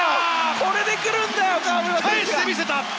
これで来るんだよ河村選手は。